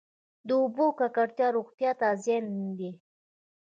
د اوبو ککړتیا روغتیا ته زیان دی.